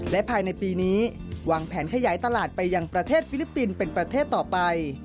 และภายในปีนี้วางแผนขยายตลาดไปยังประเทศฟิลิปปินส์เป็นประเทศต่อไป